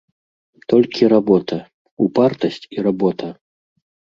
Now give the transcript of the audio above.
Толькі работа, упартасць і работа.